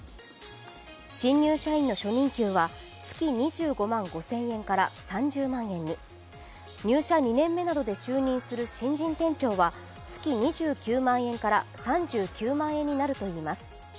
新入社員の初任給は月２５万５０００円から３０万円に入社２年目などで就任する新人店長は月２９万円から３９万円になるといいます。